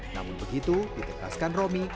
namun begitu ditekaskan romy